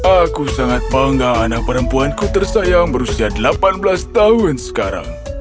aku sangat bangga anak perempuanku tersayang berusia delapan belas tahun sekarang